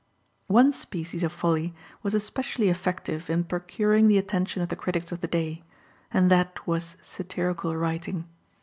_ _One species of folly was especially effective in procuring the attention of the critics of the day, and that was satirical writing.